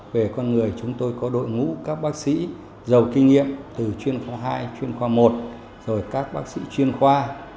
về con người chúng tôi có đội ngũ các bác sĩ giàu kinh nghiệm từ chuyên khoa hai chuyên khoa một rồi các bác sĩ chuyên khoa